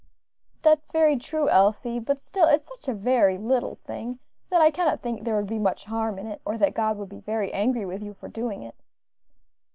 "That is very true, Elsie, but still it is such a very little thing, that I cannot think there would be much harm in it, or that God would be very angry with you for doing it."